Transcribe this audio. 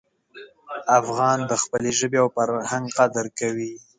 افغان د خپلې ژبې او فرهنګ قدر کوي.